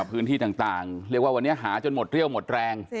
เรียกว่าวันนี้หาจนหมดเตรียวหมดแรง